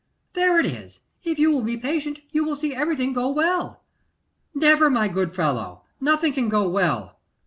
'There it is; if you will be patient, you will see everything go well.' 'Never, my good fellow; nothing can go well.